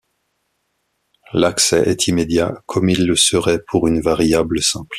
L'accès est immédiat, comme il le serait pour une variable simple.